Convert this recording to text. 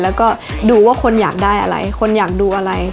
แล้วก็ดูว่าคนอยากได้อะไรคนอยากดูอะไร